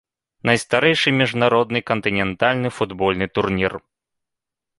Найстарэйшы міжнародны кантынентальны футбольны турнір.